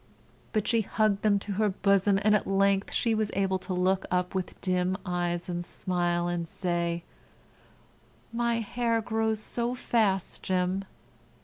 But she hugged them to her bosom, and at length she was able to look up with dim eyes and a smile and say: "My hair grows so fast, Jim!"